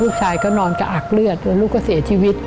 ลูกชายก็นอนกระอักเลือดแล้วลูกก็เสียชีวิต